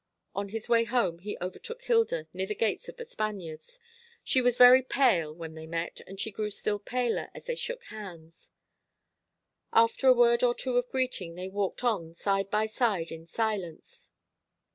On his way home he overtook Hilda, near the gates of The Spaniards. She was very pale when they met, and she grew still paler as they shook hands. After a word or two of greeting, they walked on side by side in silence.